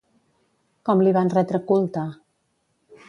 Com li van retre culte?